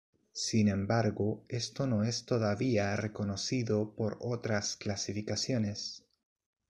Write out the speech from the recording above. Sin embargo, esto no es todavía reconocido por otras clasificaciones.